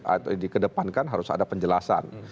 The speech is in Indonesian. atau dikedepankan harus ada penjelasan